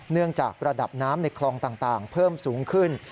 เนื่องจากระดับน้ำในคลองต่างเพิ่มสูงขึ้น